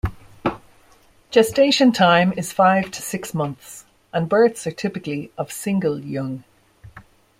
Gestation time is five to six months, and births are typically of single young.